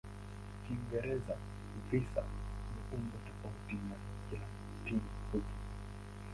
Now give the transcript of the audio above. Kiingereza "visa" ni umbo tofauti la Kilatini hiki.